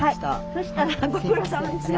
そしたらご苦労さまでした。